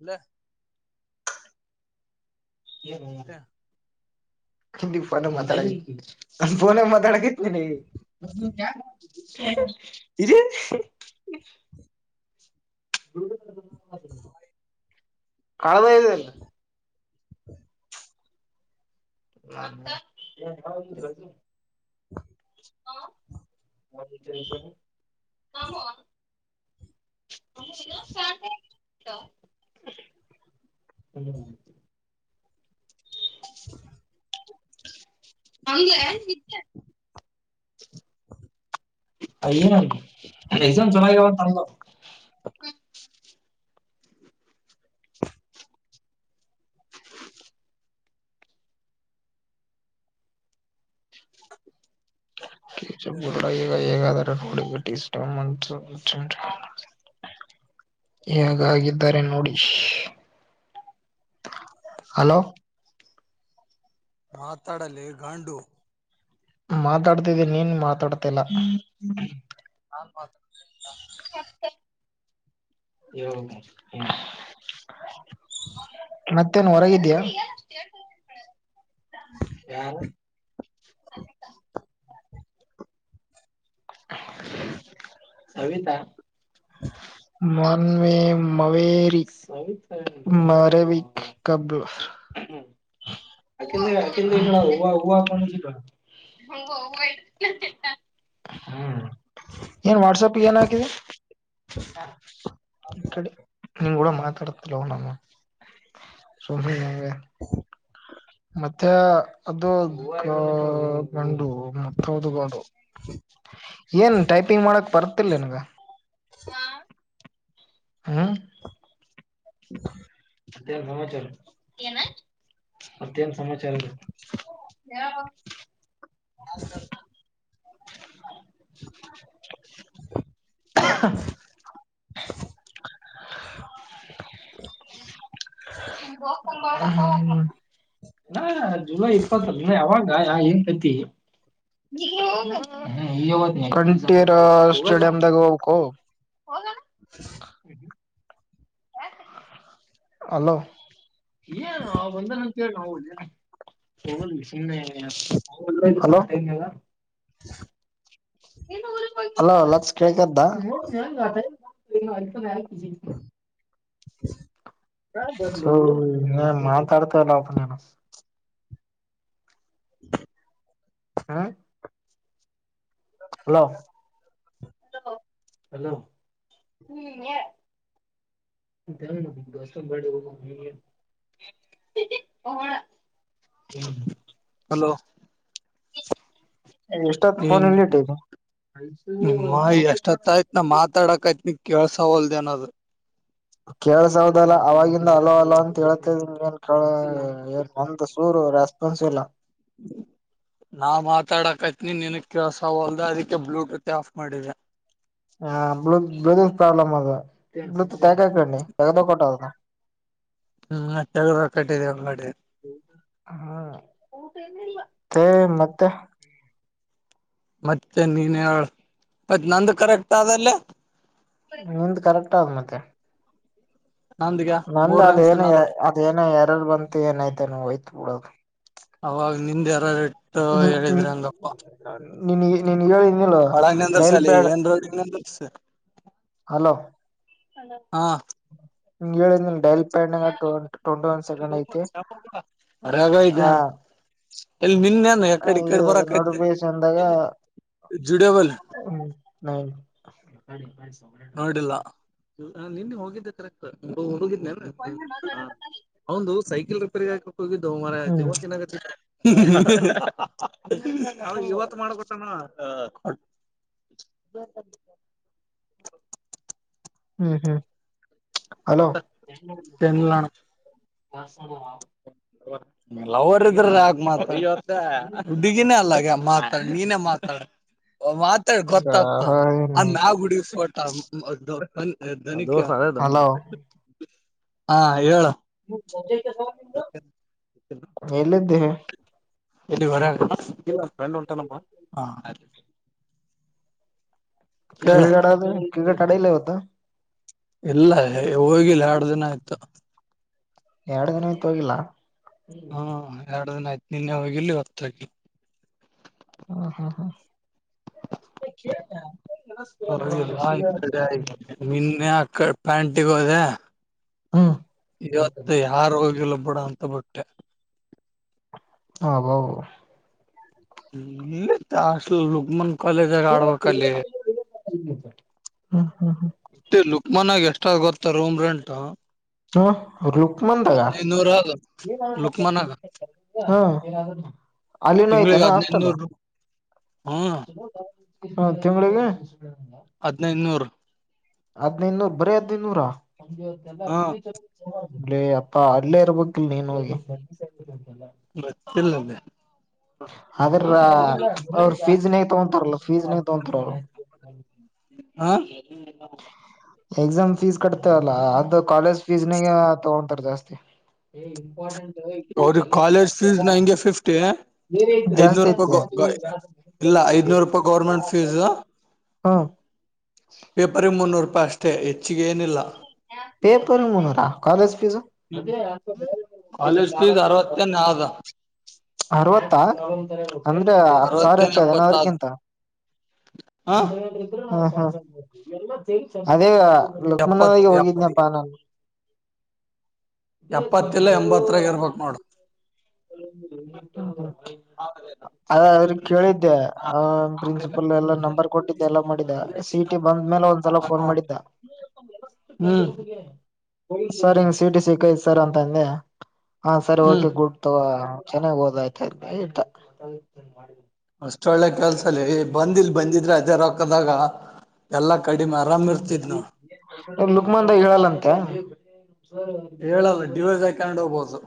ಇಲ್ಲ ಯ ಹಮ [unintelligible] ಕಂಡ ನ ಮಾತಾಡ ೋನ ಮಾತಾಡೋಕ [inaudible] [inaudible] ಹ [unintelligible] ಕಳದಯದಲ್ಲ ಹ [inaudible] [unintelligible] [unintelligible] [inaudible] [unintelligible] [unintelligible] [unintelligible] [inaudible] ಏ ಎಕ್ಸಾಮ್ ಚೆನ್ನಾಗಿಾವಂತಂಗ [unintelligible] ಹೇಗಾದ ನೋಡಿಬಟ್ಟುಷ್ಟಸ ಹೇಗಾಗಿದ್ದಾರೆ ನೋಡಿ ಹಲೋ ಮಾತಾಡಲೆ ಗಾಂಡು ಮಾತಾಡ್ತಿದ್ದಿ ನೀನ್ ಮಾತಾಡ್ತಿಲ್ಲ ಹ್ಮ್ಮ್. [unintelligible] ಯ ಹ್ಮ ಮತ್ತ ಮತ್ತೇನ್ ಹೊರಗಿದಿಯಾ [unintelligible] ಸವಿತಾ [unintelligible] [unintelligible] ಹ್ಮ ಏನ್ ವಾಟ್ಸಪ್ ಏನ್ ಹಾಕಿದೆ ನಿನ್ನಕೂಡ ಮಾತಾಡ್ತಿಲ್ಲಮ್ಮ ಮತ್ತೆ ಅದು ಗಂಡು ಮತ್ತದುಂಡು ಏನ್ ಟೈಪಿಂಗ್ ಮಾಡಕ್ ಬರ್ತಿಲ್ಲ ನಿನ್ಗ ಹಾ ಹೂ [unintelligible] ಏನ್ ಸಮಾಚಾರ ಏನ ಮತ್ಯೆನ ಸಮಾಚಾರ [unintelligible] ಹ್ಮ್ಮ್. ಹ [unintelligible] ಹ್ಮ್ಮ್. [unintelligible] ನಾ ಜುಲೈ ಇಪ್ಪತ್ತ ಅವಾಗ ಏನ್ ಕಥಿ [unintelligible] ಸ್ಟೇಡಿಯಂದಾಗ ಹೋಗ ಹ್ಮ್ಮ್ ಅಲೋ ಏ ಅವ ಬಂದ [unintelligible] ಹಲೋ ಲ ಕದಾ ಹ್ಮ್ಮ್. ಹೌ ಇ ಮಾತ ಅಡತಲ್ಲಾಪ್ಪನ್ನನ ಹಾ ಹಲೋ ಹಲೋ ಜಸ ಹಲೋ ಎ ನೀನ್ ನಿಮ್ಮ ಎಷ್ಟತ್ತ ಆಯ್ತ್ ನಾ ಮಾತಾಡಕ್ ಆಯತ್ ನಿ ಕೇಳ್ಸ ಹೊಲ್ದೇಏನಾದ್ ಕೇಳ್ಸೌದಲ್ಲ ಅವವಾಗಿಂದ ಅಲ್ಲೋ ಅಲ್ಲೋ ಅಂತ ಹೇಳ್ತ ಏನ್ ಕ ಏನ್ ಒಂತ ಸೂರು ರೆಸ್ಪಾನ್ಸ್ ಇಲ್ಲ ನಾ ಮಾತಾಡಕತ್ನಿ ನಿನ ಕಸವಲ್ದ ಅದಕ್ಕೆ ಬ್ಲೂಟೂತ್ ಆಫ್ ಮಾಡಿದೆ ಹಾಳ ಪ್ರಾಬ್ಲ್ ಅದು ಕಾಯ ಕಾಯ ಕಣ ಎಗದ ಕೋಟ್ಟ ಹ್ಮ್ ಚ ಕಟ್ಟಿದೆ ಮಾಡ ಹ್ಮ ಮತ್ತೆ ಮತ್ತೆ ನೀನ್ ಮತ್ತತ್ ನಂದು ಕರೆಕ್ಟ್ ಆದ್ರ ಇಲ್ಲ ನಿಂದ ಕರೆಕ್ಟ್ ಆದ ಮತ್ತೆ ನಂದಗ ನಂದ ಮೂರ್ ನಿಮಿಷ ಅದೇನ ನಲ್ ಅದ ಏನ ಯಾರಲ್ ಬಂತು ಏನಯ್ತೆ ನೀ ಹಯ್ತ ಬಿಡದು ನಿಂದೆ ಯರ ರ ಅ ಹೇಳಿದ್ರೆ ಅಂಗಪ್ಪ ನಿಿನಗೆ ಒಡಂಗ ಅಂದ್ರ ಸಾಲ ಏನ್ ರೋಡ್ಂದ ಹಲೋ ಒಂದು ಹಾ ಹಂಗ ಹೇಳಿದಿಲ್ಲ ಡೈಲ್ ಪೆಣ್ಣ ಆಟು ಉಂಟು ರಾಗಯ್ತಾ ನಡ ಬೇಸ ಅಂದಾಗ ಜುಡೇಬಲ್ ಹ್ಮ ನ ಸರಿರಿ ನೋಡಿಲ್ಲ ನಿನ್ನೆ ಹೋಗಿದ್ದೆ ಕರೆಕ್ ಹೋಗ ಹಂದು ಸೈಕಲ್ ರಿಪೇರಿ ಆಗ ಕೊ ದ ಮಾರ ಹ್ಮ್ ಜವನ್ನ ಹ್ಮ [unintelligible] ಅವಳೀಗ ಇವತ್ತ ಮಾಡಬೇಕಂದಣ. ಹ ಹ್ಮ್ ಹ್ಮ್ ಹಲೋ ಹ ಲವರ್ ಇದ್ರ ಯಾಕ ಮಾತ್ ಒ ವರ್ಷ ಹುಡ್ಡುಗಿನ ಅಲ್ಲಗ. ಮಾತಾಡ ನೀನೇ ಮಾತಾಡ. ಮಾತಾಡ್ ಗೊತ್ತಾಗ್ತದ ಅದ ನಾವ ಹುಡಗ ಫೋಟ ಅಲ್ ದೋ ಸಾರ ದ ಹಲೋ ಮತ್ತೆ [unintelligible] ಹಾ ಹೇಳ. ಹ್ಮ [unintelligible] ಎಲ್ಲಿದ್ದಿ. ಎಲ್ಲಿ ಹೊರಗ್ ಇಲ್ಲ ಫ್ರೆಂಡ್ ಹೊಂಟನ ಒಬ್ಬ ಹಾ ಕ ಹೇಳ ಹೇಳಡದು ಕ್ರಿಕೆಟ್ ಆಡಿಲ್ಲ ಇವತ್ತ. ಇಲ್ಲ ಹೋಗಿಲ್ಲ ಎರಡ ದಿನ ಆಯ್ತು. ಎರಡ ದಿನ ಆಯತ್ ಹೋಗಿಲ್ಲ. ಹ್ಮ ಎರಡ ದಿನ ಆಯ್ತ. ನಿನ್ನೆ ಹೋಗಿಲ್ಲ ಇವತ್ ಹೋಗಿನಿ. ಹಾ ಹಾ ಹಾ ಹೋಗಿಲ್ಲ ಇ ಕಡೆ ನಿನ್ನೆ ಇಕಡ ಪ್ಯಾಂಟಿಗೋದೆ. ಹ್ಮ್ ಇವತ್ತ ಯಾರೋಗಿಲ್ಲ ಬಿಡಂತ. ತಬಿಟ್ಟೆ. ಆಬಾಬಾ. ಇತ ಆಷ್ಟಲ ಲುಕ್ಮಾನ. ಕಾಲೇಜಾಗ ಆಡ್ಬೇಕಲ್ಲಿ. ಹ್ಮ ಹ್ಮ ಮತ್ತೆ ಲುಕ್ ಮನಾಗ ಎಷ್ಟ್ ಅವ ಗೊತ್ತ ರೂಮ್ ರೆಂಟು. ಹ ಲುಕ್ಮನದಗ ಅದ ಲುಕ್ಮನ್ಗ ಹ ಅಲ್ಲಿನೂ ತಿಂಗಳಿಗೆ ಐತೇನು ಹಾಸ್ಟೆಲ. ಹದ್ನೈದನೂರು ಹ್ಮ ಹ ತಿಂಗಳಿಗೆ. ಹದ್ ನೈನೂರು ಹದ್ ನೈನೂರು ಬರೀ ಹದ್ ನೈನೂರಾ ಒ ಎಲ್ಲ ಹಾ ಮನೆ ಚ ಅಲ್ಲೇ ಅಪ್ಪ ಅಲ್ಲೇ ಇರ್ಬೇಕಲ್ ನೀನು ಹೋಗಿ ಗೊತ್ತಿಲ್ಲದೆ ಅ್ರ ಅವ್ರ ಫೀಸ್ ನ ತಗೊಂತಾರಲ್ಲ ಫೀಸ್ ನೀ ತಗಂತರ ಅವರು ಹ ಹಾ ಎಕ್ಸಾಮ್ ಫೀಸ್ ಕಟ್ತವಲ್ಲ ಅದು ಕಾಲೇಜ್ ಪಿಜ್ಜಾಗೆ ತಗೊಂಡ್ ಹ ಅವ್ರ ಕಾಲೇಜ್ ಫೀಸ್ ನ ಹಂಗೆ ಫಿಫ್ಟಿ ಐದ್ನೂರು ರೂಪಾಯಿ ಇಲ್ಲ ಐದನೂರು ರೂಪಾಯಿ ಗೌರ್ಮೆಂಟ್ ಫೀಸ್ ಹಾ ಪೇಪರಿ ಮುನ್ನೂರು ಪಷ್ಟೆ ಇಚ್ಛೆ ಪೇಪರು ಮೂನ್ನೂರಾ ಕಾಲೇಜ್ ಫೀಸ್ ಕಾಲೇಜ್ ಫೀಸ್ ಅರವತ್ತೇನ್ ಆದ ಅರವತ್ತ ಅಂದ್ರೆ ಹತ್ ಸಾವಿರ ಹೆಚ್ಚ ಅರವತ್ತೇನ್ ಎಪ್ಪತ್ತ ಆದ ದನಾದ್ರಗಿಂತ ಹ ಹ ಹ ಅದೇ ಎಪ್ಪತ್ ಲಕ್ಣಗೆ ಹೋಗಿದ್ನಪ್ಪ ಎಪ್ಪ ನಾನು ಎಪ್ಪತ್ತಲ್ಲ ಎಂಬತ್ತರಗ ಇರ್ಬೇಕಕ್ ನೋಡು ಅದ್ರ ಕೇಳಿದ್ದೆ ಆ ಪ್ರಿನ್ಸಿಪಲ್ ಎಲ್ಲ ನಂಬರ್ ಕೊಟ್ಟಿದ್ದೆ ಎಲ್ಲ ಮಾಡಿದ್ದ ಸಿಟಿ ಬಂದ್ಮೇಲೆ ಒಂದ್ಸಲ ಫೋನ್ ಮಾಡಿದ್ದ ಹ್ಮ್ ಸರ್ ಹಿಂಗ್ ಸಟಿ ಸಿಕ್ತ್ ಸರ್ ಅಂತ ಅಂದೆ ಹಾ ಸರಿ ಹ್ಮ್ ಓಕೆ ಗುಡ್ ಚೆನ್ನಾಗ್ ಹಓದಾಯ್ತಾ ಇ ಎಂತ ಅಷ್ಟ ಒೊಳ್ಳೆ ಕೆಲ್ಸಲ್ಲಿ ಬಂದಿಲ್ ಬಂದಿದ್ರೆ ಅದೇ ರಕ್ಕದಾಗ ಎಲ್ಲ ಕಡಿಮೆ ಆರಾಮ ಇರ್ತಿದ್ನು ಲುಕ್ಮಂದ ಹೇಳಲ್ಲಂತೆ ಹೇಳಲ್ಲ ಡಿವೈಸ್ ಹಾಕೊಂಡು ಹೋಗಬಹುದು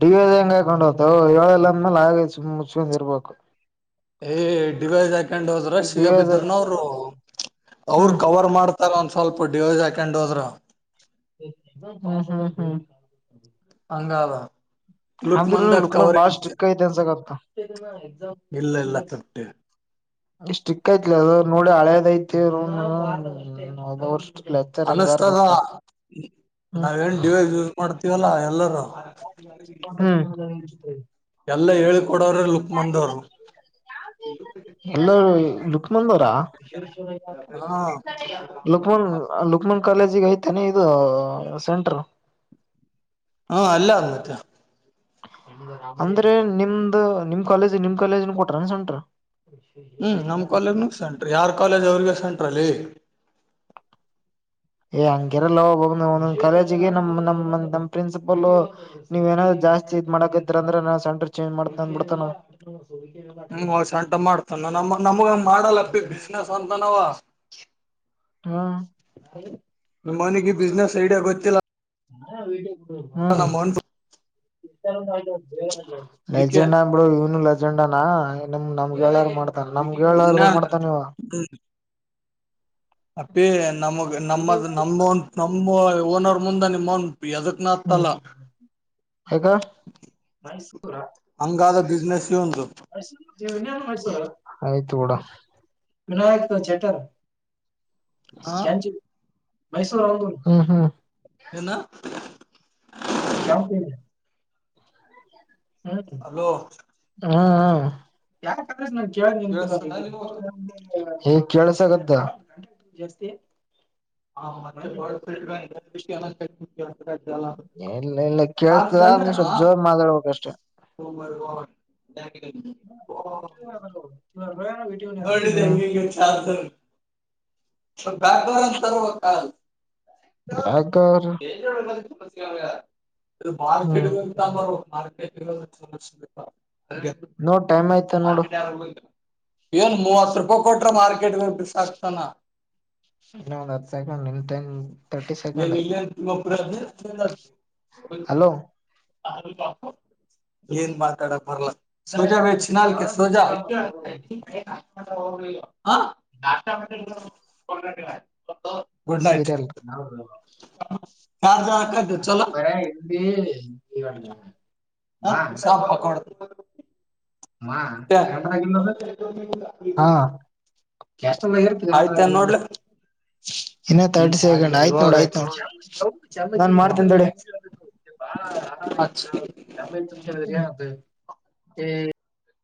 ಡಿವಿಂಗ್ ಹಾಕೊಂಡ್ ಹೋಗ್ತ ಏಳಲ್ಲ ಅಂದ್ಮೇಲೆ ಹಾಗೆ ಸು ಮುಚ್ಕಂದ ಇರ್ಬೇಕು ಡಡಿವೈ ಹಾಕ್ಕೊಂಡ್ ಹೋದ್ರ ಶ ಡಿವೈಸ್ ಬಿದರುನ ಅವರು ಅವರು ಹ್ಮ್ ಕವರ್ ಮಾಡ್ ಅ ಒಂದ ಸ್ವಲ್ಪ ಡಿವೈಸ್ ಹಾಕೊಂಡ್ ಹೋದ್ರೆ ಹಾ ಹಾ ಹಾ ಹಂಗಾವ ಹಂದ ಲುಕ್ಮನ್ ಬಾರ ಸ್ಟ್ರಕ್ ಇಸತ ಇಲ್ಲ ಇಲ್ಲ ತಟ್ಟಿ ಸ್ಟ್ರಕ್ ಕಯ ನೋಡಿ ಹಳೇದಐತಿವರ್ಷ ಅನಸ್ತದ ದ ನಾವೇಏನ್ ಡಿವೈಸ್ ಯೂಸ್ ಮಾಡ್ತ ಇವಲ್ಲ ಎಲ್ಲ ಹಾ ಹ್ಮ ಅಲ್ಲ ಹೇಳ ಎಲ್ಲ ಲುಕ್ಮನ್ ಅವರಾ ಹಾ ಲಕ್ಮನ್ ಲಲುಕ್ಮನ್ ಕಾಲೇಜಿಗೆ ಐತೇನೆ ಇದು ಸೆಂಟರು ಹಾ ಅಲ್ಲ ಅತ್ತ ಅಂದ್ರೆ ನಿಮ್ದ ನಿಮ್ ಕಾಲೇಜ್ ನಿಮ್ ಕಾಲೇಜನ್ ಕೊಟ್ರ ಅನ್ಸಂಟ್ರ ಹ್ಮ್ ನಮ್ ಕಾಲೇಜ್ನ ಸಂ್ರರಿ ಯಾರ್ ಕಾಲೇಜ ಅವ್ರಗ [unintelligible] ಲೇ [unintelligible] ಏ ಹಂಗಿರಲ್ಲ ಕಾಲೇಜಿಗೆ ನಮ್ ನಮ ನಮ್ ಪ್ರಿನ್ಸಿಪಲ್ ನೀವೇನಾದ್ ಜಾಸ್ತಿ ಇದ್ ಮಾಡಕಿದ್ರ ಅಂದ್ರೆ ನ ಸೆಂಟರ್ ಚೇಂಜ್ ಮಾಡ್ತಂದ್ಬಿಡ್ತಾನ ಹ್ಮ ವಷ ಉಂಟ ಮಾಡ್ತಾನ ನಮ್ಮ ನಮ್ಗ ಮಾಡಲ್ಲಪ್ಪಿ ಬಿಸ್ನೆಸ್ ಅಂತನಾವ ಕೆ ಹಾ ನಿಮ್ಮ ಮನೆಗೆ ಬಿಸ್ನೆಸ್ ಐಡಿಯಾ ಗೊತ್ತಿಲ್ಲ ಹಾ ವಟ [inaudible] ಹಾ ನಮ್ಮನ್ ಇಷ್ಟರಂದುು [inaudible] ಅದಕ್ಕೆ ಲಜೆಂಡಾ ಅ ಬಿಡ ಇವ್ನು ಲಜೆಂಡಾನಮ್ ನಮ [unintelligible] ವೇಳಾರ ಮಾಡ ನಮ್ಗೆ ಇನ್ನ ಹೇಳಾರದು ಮಾಡ್ತಾನವ ಅಪೇ ನಮಗ್ ನಮ್ಮದು ನಮ್ಮ ಒ ನಮ ಓನ್ ಅವರ್ ಮುಂದಾನ ಮನ್ ಯದಕ್ಕೆ ನ ಹ್ಮ್ ತಲ್ಲ ಯಾಕ ಹಂಗಾದ ದಿಸ ನ ಜೀವನ ಆಯ್ತ ಡ ವಿನಾಯಕ ಚಟರ್ ಹ ಕೆಂಚ್ ಮೈಸೂರು ಒೂರು ಹ್ಮ್ ಹ್ಮ ಏನ ಕ ಉತ್ತೇ ಹ ಹಲೋ ಹಾ ಯ ನಾನ್ ಕೇಳ್ದ ನಿಂತಿಲ್ಲ ಕೇಳಿಸ್ತಾದ ನಿಮಗ ಹ ಕೆಳ್ಸಗತ್ತ ಹ ಮತ್ತೆ ಬ ಇಲ್ಲ ಇಲ್ಲ ಕೇಳ್ತದ ನೀ ಸ್ವಲ್ಪ್ ಜೋರ್ ಮಾತಾಡ್ಬೇಕಷ್ಟೆ ಂಗ ಹ್ಮ್ ಬ ಸ ಗಾಯ ಬ ಕ್ಕಾಲ್ ಯಾಕ್ರ ಹ್ಮ್ ಮಾರ್ಕೆಂತ ಹ್ಮ್ ನೋಡ್ ಟೈಮ್ ಆಯ್ತಾ ನೋಡು ಏನ್ ಮೂವತ್ತು ರೂಪಾಯಿ ಕೊಟ್ರ ಮಾರ್ ಬಿಸಕ್ತಾನ ಇನ್ನ ಒಂದ್ ಹತ್ತು ಸಾಯಕ ನ ನಿನ್ಂತನ್ ನ ಇಲ್ಲ ಪ್ರಜ ಹಲೋ ಏನ್ ಮಾತಾಡ ಬರ್ಲ್ಲ ಸಂಜ ಚಿನಲ್ ಸೋಜಾವ ಹ ಹೌ ಹಾ ದಾಾ ಮ ಹೊಟ ಮ ಸೀರಿಯಲ್ ಹೌ ಯಾರ್ ಜ ಬರ ಎಿ ಈ ಮಾಡ ಹ ಶ ಪ ಕೊಡುದು ಮಾ ಹಾ ತ ಆಯ್ತ ನೋಡ್ಲ ಇನ್ನ ಹ್ಮ್ ತರ್ಟಿ ಸೆಕೆಂಡ್ ಹಾಗೆ ಆಯ್ತ್ ನೋಡಿ ಇವಾಗ ಆಯ್ತ್ ನೋ ನಾನನ್ ಹ್ಮ ಮಾಡ್ತ ಹ್ಮ